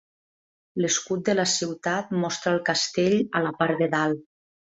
L'escut de la ciutat mostra el castell a la part de dalt.